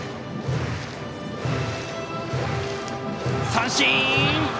三振！